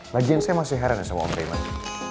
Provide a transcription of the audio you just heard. bagian saya masih heran sama om raymond